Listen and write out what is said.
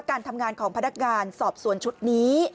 การทำงานของพนักงานสอบสวนชุดนี้